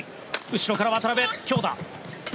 後ろから渡辺、強打。